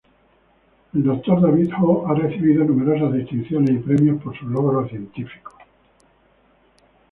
El Dr. David Ho ha recibido numerosas distinciones y premios por sus logros científicos.